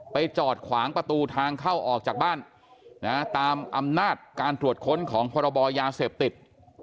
จอดขวางประตูทางเข้าออกจากบ้านตามอำนาจการตรวจค้นของพรบยาเสพติด